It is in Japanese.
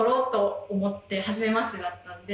初めましてだったんで。